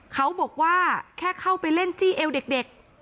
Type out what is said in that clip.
เขาบอกว่าแค่เข้าไปเล่นจี้เอวเด็ก